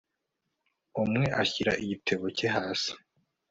Umwe ashyira igitebo cye hasi